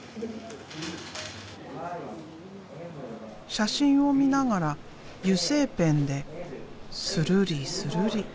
写真を見ながら油性ペンでするりするり。